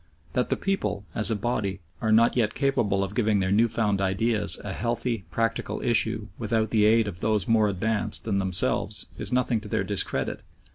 That the people, as a body, are not yet capable of giving their new found ideas a healthy, practical issue without the aid of those more advanced than themselves is nothing to their discredit.